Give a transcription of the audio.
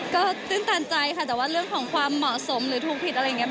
ก็ตื่นตันใจค่ะแต่ว่าเรื่องของความเหมาะสมหรือถูกผิดอะไรอย่างนี้